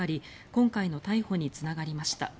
今回の逮捕につながりました。